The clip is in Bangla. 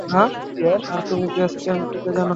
আর তুমি বেস ক্যাম্প থেকে জানো।